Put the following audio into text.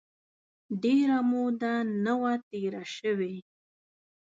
ډېره موده نه وه تېره سوې.